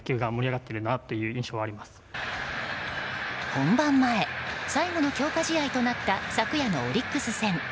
本番前最後の強化試合となった昨夜のオリックス戦。